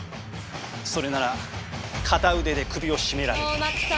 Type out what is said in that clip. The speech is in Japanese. それなら片腕で首を絞められる。